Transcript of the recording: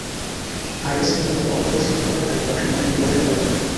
Virus নির্মূল এবং অপরাধী চিহ্নিত করার দায়িত্ব আসে মার্কিন গোয়েন্দা বিভাগের ওপর।